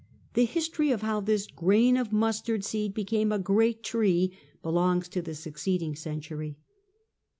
The history of how I this grain of mustard seed became a great tree belongs to the succeeding century.